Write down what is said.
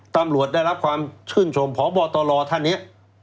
ตำรวจได้รับความชื่นชมพบตรท่านนี้